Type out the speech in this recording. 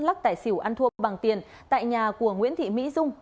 lắc tài xỉu ăn thua bằng tiền tại nhà của nguyễn thị mỹ dung